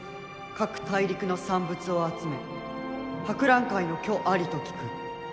各大陸の産物を集め博覧会の挙ありと聞く。